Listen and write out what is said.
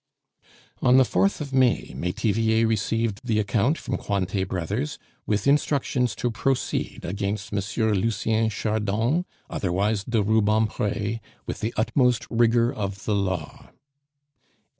On the 4th of May, Metivier received the account from Cointet Brothers, with instructions to proceed against M. Lucien Chardon, otherwise de Rubempre, with the utmost rigor of the law.